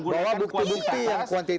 bahwa bukti bukti yang kuantitatif